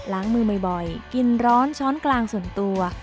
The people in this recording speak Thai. ล้างมือบ่อยกินร้อนช้อนกลางส่วนตัว